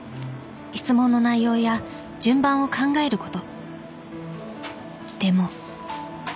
質問の内容や順番を考えること。